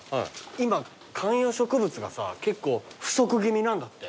今観葉植物がさ結構不足気味なんだって。